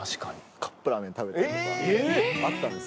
カップラーメン食べたりとか、あったんですよ。